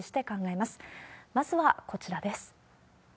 まずはこちらです。